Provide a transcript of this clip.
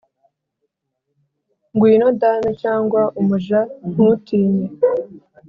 ngwino dame cyangwa umuja, ntutinye,